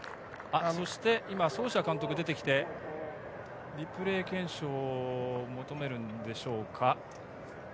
そしてソーシア監督が出てきてリプレー検証を求めるんでしょうか？